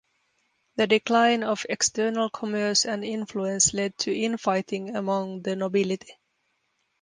The decline of external commerce and influence led to infighting among the nobility.